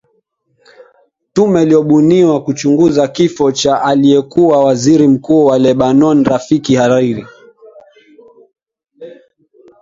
tume iliyobuniwa kuchunguza kifo cha aliyekuwa waziri mkuu wa lebanon rafik hariri